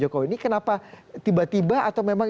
pan tetap katakan bahwa mereka